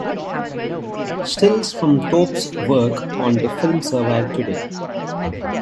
Stills from Thorpe's work on the film survive today.